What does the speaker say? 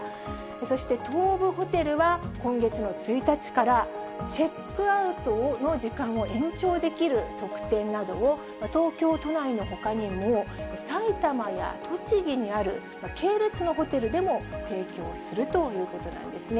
そして東武ホテルは今月の１日から、チェックアウトの時間を延長できる特典などを東京都内のほかにも、埼玉や栃木にある系列のホテルでも提供するということなんですね。